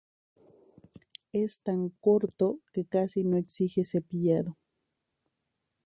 Es tan corto que casi no exige cepillado.